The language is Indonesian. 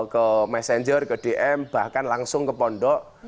ke messenger ke dm bahkan langsung ke pondok